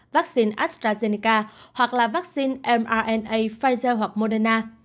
vaccine astrazeneca hoặc là vaccine mrna pfizer hoặc moderna